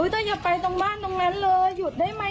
ถ้าอย่าไปตรงบ้านตรงนั้นเลยหยุดได้ไหม